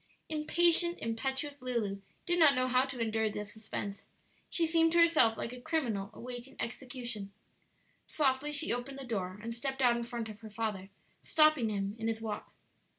Impatient, impetuous Lulu did not know how to endure the suspense; she seemed to herself like a criminal awaiting execution. Softly she opened the door and stepped out in front of her father, stopping him in his walk.